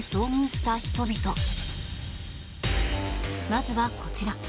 まずは、こちら。